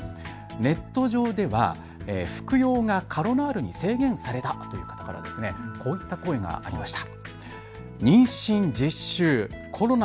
ネット上では服用がカロナールに制限されたという方からこういった声もありました。